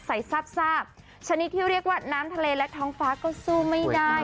ซาบชนิดที่เรียกว่าน้ำทะเลและท้องฟ้าก็สู้ไม่ได้